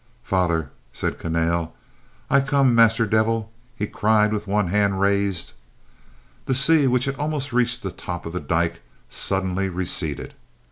"Father," said Kahnale, "I come, master devil!" he cried with one hand raised. The sea which had almost reached the top of the dyke suddenly receded.